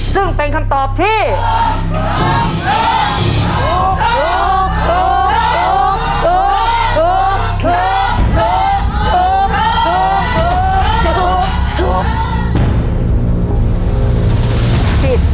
ซึ่งเป็นคำตอบที่ถูก